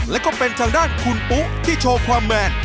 และก็เป็นทางด้านคุณปุ๊ที่โชว์ความแมน